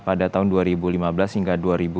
pada tahun dua ribu lima belas hingga dua ribu dua puluh